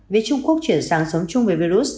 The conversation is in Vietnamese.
việc trung quốc chuyển sang sống chung với virus